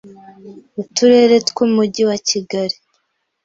Uturere tw'umujyi wa Kigali